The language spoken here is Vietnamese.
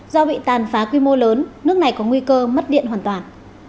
do bị tàn phá quy mô lớn nước này có nguy cơ mất điện hoàn toàn